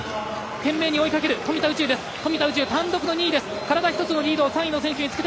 懸命に追いかける、富田宇宙です。